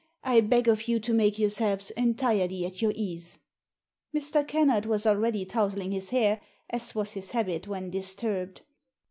I beg of you to make yourselves entirely at your ease." Mr. Kennard was already tousling his hair, as was his habit when disturbed.